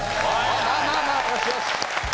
まあまあまあよしよし。